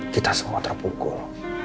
kita semua terpukul